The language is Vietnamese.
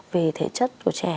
về thể chất của trẻ